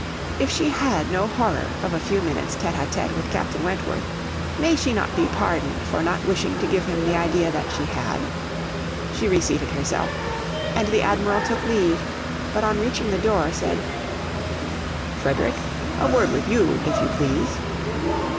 If she had no horror of a few minutes' tete a tete with Captain Wentworth, may she not be pardoned for not wishing to give him the idea that she had? She reseated herself, and the Admiral took leave, but on reaching the door, said 'Frederick, a word with you if you please.'